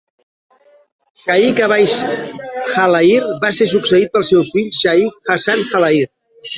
Shaikh Awais Jalayir va ser succeït pel seu fill Shaikh Hasan Jalayir.